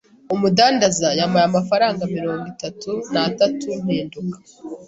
Umudandaza yampaye amafaranga mirongo itatu na atatu mpinduka.